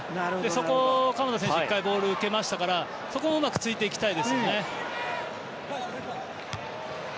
そこを鎌田選手１回ボールを受けましたからそこをうまく突いていきたいですよね。